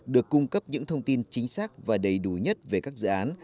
được cung cấp những thông tin chính xác và đầy đủ nhất về các dự án